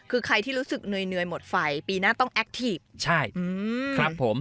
คือใครที่รู้สึกเหนื่อยหมดไฟปีหน้าต้องแอคทีฟใช่ครับผม